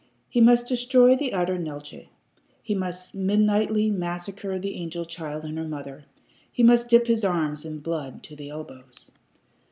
He must destroy the utter Neeltje. He must midnightly massacre the angel child and her mother. He must dip his arms in blood to the elbows.